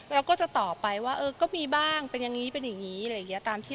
เราก็จะตอบไปว่าเออก็มีบ้างเป็นอย่างนี้เป็นอย่างนี้อะไรอย่างนี้